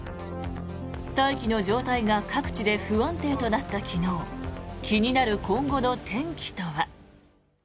大気の状態が各地で不安定となった昨日気になる今後の天気とは。